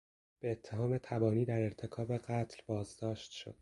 به اتهام تبانی در ارتکاب قتل بازداشت شد.